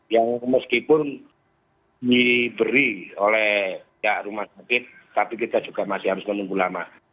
yang meskipun diberi oleh rumah sakit tapi kita juga masih harus menunggu lama